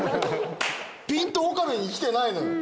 ピント岡部に来てないのよ。